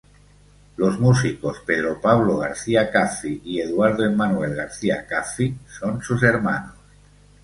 Los músicos Pedro Pablo García Caffi y Eduardo Emanuel García Caffi son sus hermanos.